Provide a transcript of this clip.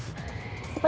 seperti hal yang tadi